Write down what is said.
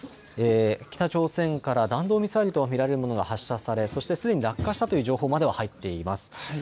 北朝鮮から弾道ミサイルと見られるものが発射され、そしてすでに落下したという情報まで入っています。